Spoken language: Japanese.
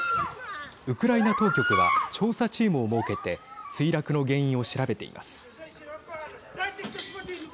ウクライナ当局は調査チームを設けて墜落の原因を調べています。